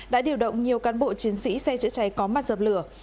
đã điều động nhiều cán bộ chiến sĩ xe chữa cháy có mặt dập lửa